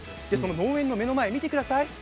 公園の目の前を見てください。